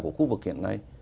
của khu vực hiện nay